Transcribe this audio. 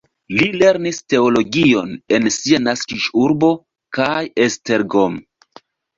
Li lernis teologion en sia naskiĝurbo kaj Esztergom.